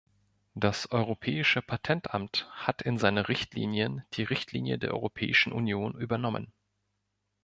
Das Europäische Patentamt hat in seine Richtlinien die Richtlinie der Europäischen Union übernommen.